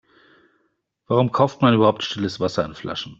Warum kauft man überhaupt stilles Wasser in Flaschen?